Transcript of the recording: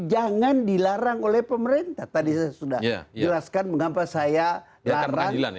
jangan dilarang oleh pemerintah tadi sudah jelaskan mengapa saya larang kan panggilan ya